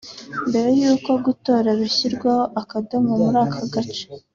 Mbere y’uko gutora bishyirwaho akadomo muri ako gace